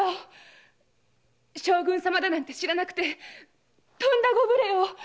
将軍様だなんて知らなくてとんだご無礼を！